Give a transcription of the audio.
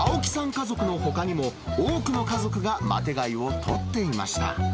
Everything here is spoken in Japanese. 家族のほかにも、多くの家族がマテ貝を取っていました。